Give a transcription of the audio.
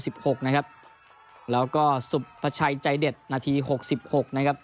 นะครับแล้วก็สุภาชัยใจเด็ดนาทีหกสิบหกนะครับ